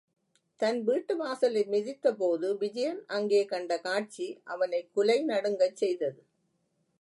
தன் வீட்டு வாசலை மிதித்தபோது விஜயன் அங்கே கண்ட காட்சி அவனை குலை நடுங்கச் செய்தது.